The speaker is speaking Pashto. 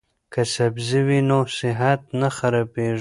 که سبزی وي نو صحت نه خرابیږي.